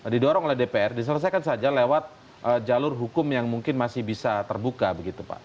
didorong oleh dpr diselesaikan saja lewat jalur hukum yang mungkin masih bisa terbuka begitu pak